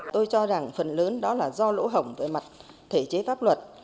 tôi cho rằng phần lớn đó là do lỗ hổng với mặt thể chế pháp luật